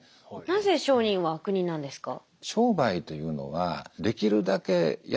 なぜ商人は悪人なんですか？